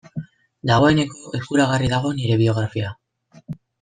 Dagoeneko eskuragarri dago nire biografia.